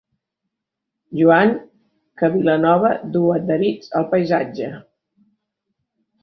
Joan que Vilanova du adherits al paisatge.